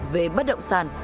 về bất động sản